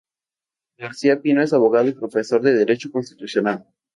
García Pino es abogado y profesor de derecho constitucional.